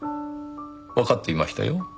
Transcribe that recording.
わかっていましたよ。